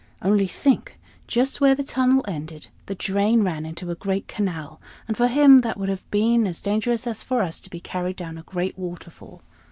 Only think just where the tunnel ended, the drain ran into a great canal; and for him that would have been as dangerous as for us to be carried down a great waterfall.